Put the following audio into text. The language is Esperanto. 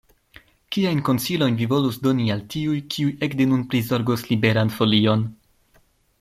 Kiajn konsilojn vi volus doni al tiuj, kiuj ekde nun prizorgos Liberan Folion?